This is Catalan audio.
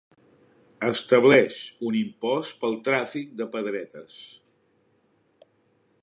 Estableix un impost pel tràfic de pedretes.